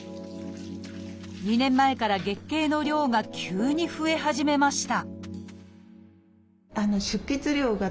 ２年前から月経の量が急に増え始めました